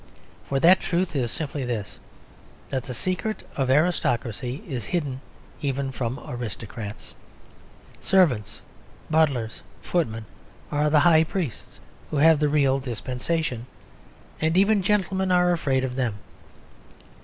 For that truth is simply this: that the secret of aristocracy is hidden even from aristocrats. Servants, butlers, footmen, are the high priests who have the real dispensation; and even gentlemen are afraid of them.